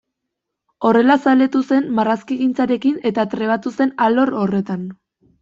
Horrela zaletu zen marrazkigintzarekin eta trebatu zen alor horretan.